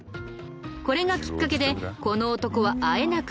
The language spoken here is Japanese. これがきっかけでこの男はあえなく逮捕。